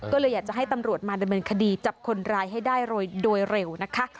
ก็เลยอยากจะให้ตำรวจมาดำเนินคดีจับคนร้ายให้ได้โดยเร็วนะคะ